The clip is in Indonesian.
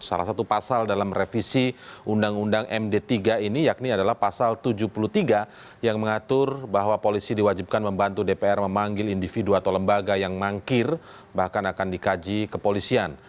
salah satu pasal dalam revisi undang undang md tiga ini yakni adalah pasal tujuh puluh tiga yang mengatur bahwa polisi diwajibkan membantu dpr memanggil individu atau lembaga yang mangkir bahkan akan dikaji kepolisian